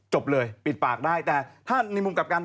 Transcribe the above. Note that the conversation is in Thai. จบเลยปิดปากได้แต่ถ้าในมุมกลับกัน